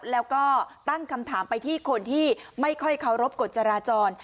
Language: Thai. แล้วก็ตั้งคำถามไปที่คนที่ไม่ค่อยเคารพกฎจราจร